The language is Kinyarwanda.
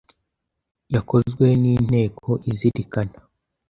yakozwe n’Inteko Izirikana;